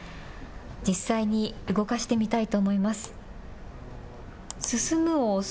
実際に動かしてみたいと思います。